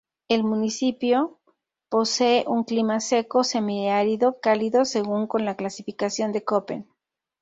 El municipio posee un clima seco semiárido cálido según con la clasificación de Köppen.